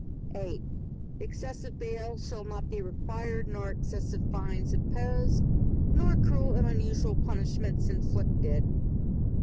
VIII Excessive bail shall not be required nor excessive fines imposed, nor cruel and unusual punishments inflicted.